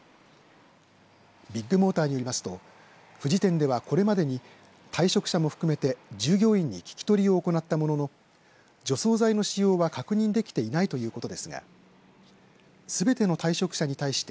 ビッグモーターによりますと富士店ではこれまでに退職者も含めて従業員に聞き取りを行ったものの除草剤の使用は確認できていないということですがすべての退職者に対して